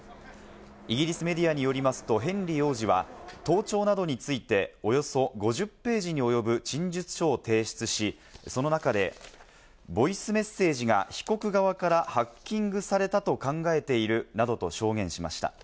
イギリスメディアによりますと、ヘンリー王子は盗聴などについて、およそ５０ページに及ぶ陳述書を提出し、その中でボイスメッセージが被告側からハッキングされたと考えているなどと証言しました。